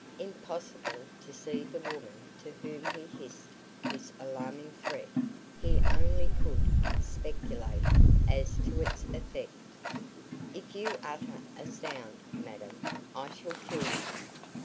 Impossible to see the woman to whom he hissed this alarming threat he only could speculate as to its effect: "If you utter a sound, madam, I shall kill you.